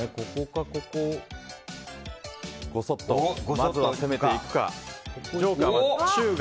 まずは攻めていくか？